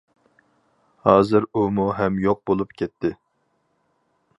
ھازىر ئۇمۇ ھەم يوق بولۇپ كەتتى.